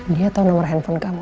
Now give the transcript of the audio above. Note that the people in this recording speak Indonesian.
dia tahu nomor handphone kamu